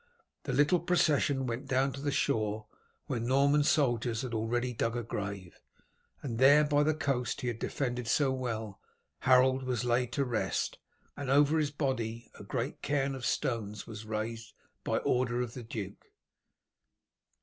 The little procession went down to the shore, where Norman soldiers had already dug a grave, and there by the coast he had defended so well Harold was laid to rest, and over his body a great cairn of stones was raised by order of the duke.